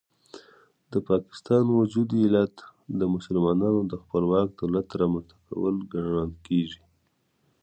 د پاکستان وجود علت د مسلمانانو د خپلواک دولت رامنځته کول ګڼل کېږي.